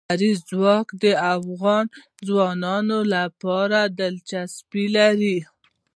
لمریز ځواک د افغان ځوانانو لپاره دلچسپي لري.